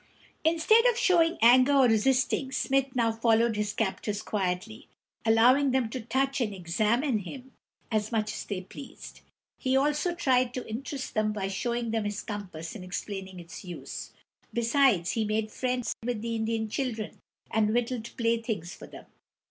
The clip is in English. Instead of showing anger or resisting, Smith now followed his captors quietly, allowing them to touch and examine him as much as they pleased. He also tried to interest them by showing them his compass and explaining its use. Besides, he made friends with the Indian children and whittled playthings for them.